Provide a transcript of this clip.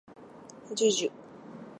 じゅじゅ